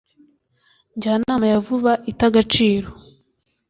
njyanama ya vuba ita agaciro